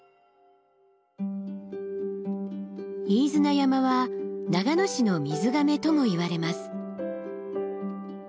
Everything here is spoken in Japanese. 飯縄山は長野市の水がめともいわれます。